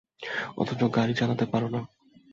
অথচ গাড়ি চালাতে পারো না!